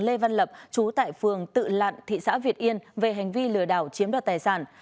lê văn lập trú tại phường tự lặn thị xã việt yên về hành vi lừa đảo chiếm đoạt tài sản